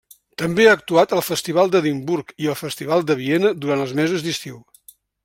També ha actuat al Festival d'Edimburg i al Festival de Viena durant els mesos d'estiu.